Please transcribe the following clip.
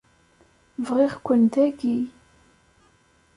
Bɣiɣ-ken dagi.